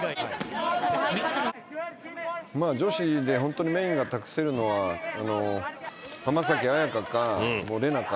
「女子でホントにメインが託せるのは浜崎朱加かＲＥＮＡか。